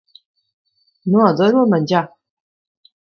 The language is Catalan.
No adoro el menjar!